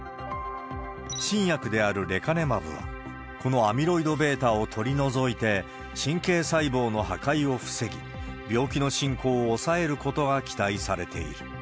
新薬であるレカネマブは、このアミロイドβを取り除いて、神経細胞の破壊を防ぎ、病気の進行を抑えることが期待されている。